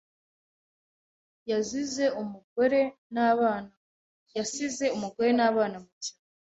Yasize umugore n’abana mu cyaro